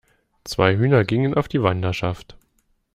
Zwei Hühner gingen auf die Wanderschaft!